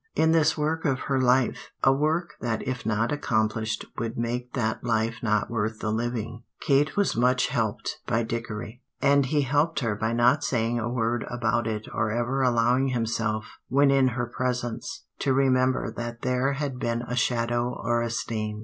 In this work of her life a work which if not accomplished would make that life not worth the living Kate was much helped by Dickory; and he helped her by not saying a word about it or ever allowing himself, when in her presence, to remember that there had been a shadow or a stain.